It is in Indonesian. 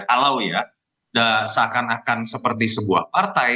kalau ya seakan akan seperti sebuah partai